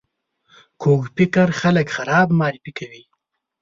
کوږ فکر خلک خراب معرفي کوي